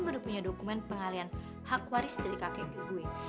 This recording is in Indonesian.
gue udah punya dokumen pengalian hak waris dari kakek gue